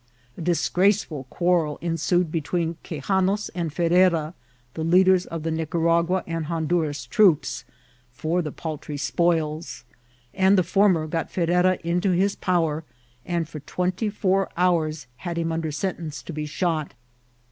A disgraceful quarrel ensued between Qtiejanos and Ferrera, die leaders of the Nicaragua Md Honduras ttoops, for the paltry spoib ; and the to&* mer got Ferrera into his power, and foor twenty fonf hotffs had him taider sentenee to be shot.